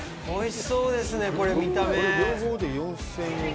おいしそうですね、これ、見た目。